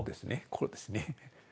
こうですね。